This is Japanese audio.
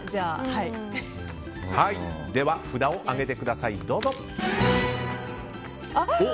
では札を上げてください。